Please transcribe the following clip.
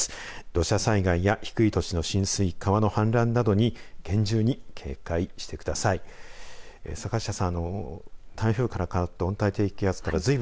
土砂災害や低い土地の浸水川の氾濫などに厳重に警戒してください。